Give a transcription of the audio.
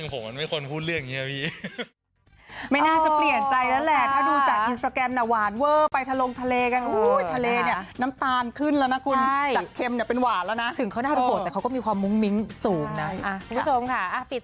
ก็ไม่คิดจะเปลี่ยนใจแล้วนี่โอ้โหหน้ากลิ่นผมมันไม่ควรพูดเรื่องอย่างนี้ครับพี่